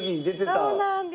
そうなんです。